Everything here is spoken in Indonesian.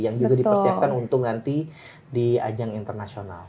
yang juga dipersiapkan untuk nanti di ajang internasional